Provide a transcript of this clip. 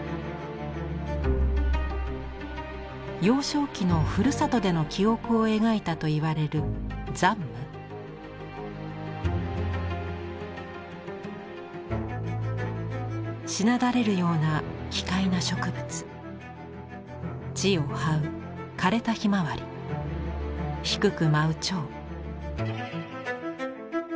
幼少期のふるさとでの記憶を描いたといわれるしなだれるような奇怪な植物地をはう枯れたひまわり低く舞う蝶。